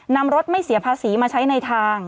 นำรถไม่เสียภาษีมาใช้ในทาง